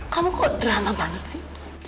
kamu kok drama banget sih